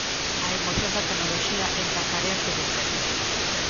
A emoción da tecnoloxía entre as areas do deserto.